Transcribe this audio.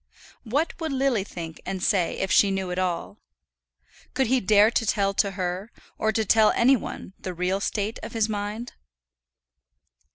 What would Lily think and say if she knew it all? Could he dare to tell her, or to tell any one the real state of his mind?